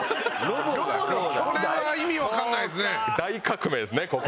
これは意味わからないですね。